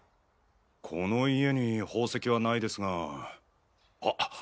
この家に宝石はないですがあっ！